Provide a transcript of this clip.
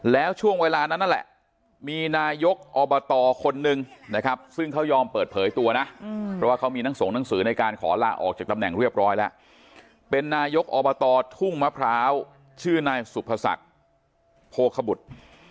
แล้วช่วงเวลานั้นนั่นแหละมีนายกอบตคนนึงนะครับซึ่งเขายอมเปิดเผยตัวนะเพราะว่าเขามีทั้งส่งหนังสือในการขอลาออกจากตำแหน่งเรียบร้อยแล้วเป็นนายกอบตทุ่งมะพร้าวชื่อนายสุภศักดิ์โพขบุตร